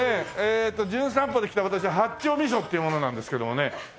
『じゅん散歩』で来た私八丁味噌っていう者なんですけどもね。